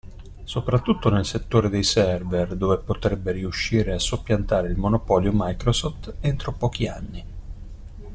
Soprattutto nel settore dei server, dove potrebbe riuscire a soppiantare il monopolio Microsoft entro pochi anni.